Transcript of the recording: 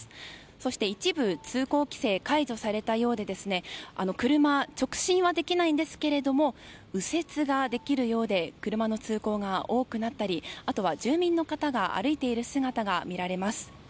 そして、一部通行規制が解除されたようで車、直進はできないんですが右折ができるようで車の通行が多くなったりあとは住民の方が歩いている姿が見られます。